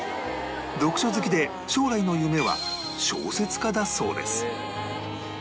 読書好きで将来の夢は小説家だそうです